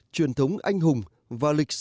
truyền thống anh hùng và lịch sử